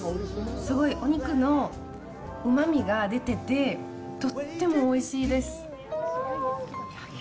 すごいお肉のうまみが出てて、とってもおいしいです。